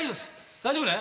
大丈夫ね？